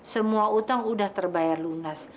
semua utang udah terbayar lunas